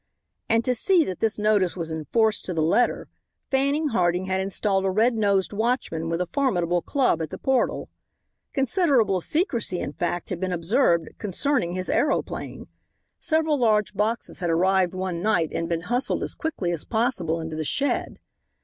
And to see that this notice was enforced to the letter, Fanning Harding had installed a red nosed watchman with a formidable club at the portal. Considerable secrecy, in fact, had been observed concerning his aeroplane. Several large boxes had arrived one night and been hustled as quickly as possible into the shed.